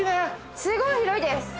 すごい広いです。